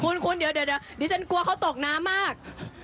คุณคุณเดี๋ยวเดี๋ยวเดี๋ยวดิฉันกลัวเขาตกน้ำมาก